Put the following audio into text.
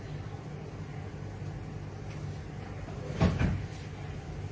อุบิตหรือไม่